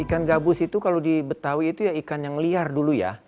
ikan gabus itu kalau di betawi itu ya ikan yang liar dulu ya